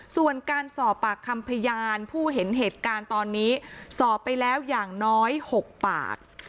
ส่วนการสอบปากคำพยานผู้เห็นเหตุการณ์ตอนนี้สอบไปแล้วอย่างน้อย๖ปาก